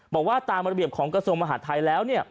บอกว่าตามระเบียบของกระทรวงมหาดไทยแล้ว